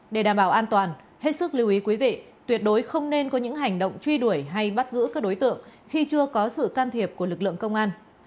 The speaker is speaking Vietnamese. để đảm bảo an toàn hết sức lưu ý quý vị tuyệt đối không nên có những hành động truy đuổi hay bắt giữ các đối tượng khi chưa có sự can thiệp của lực lượng công an